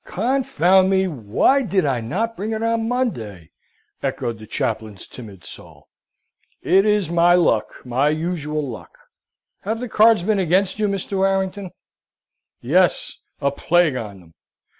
"Confound me, why did I not bring it on Monday?" echoed the chaplain's timid soul. "It is my luck my usual luck. Have the cards been against you, Mr. Warrington?" "Yes: a plague on them.